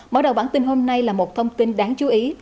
mở đầu bản tin hôm nay là một thông tin đáng chú ý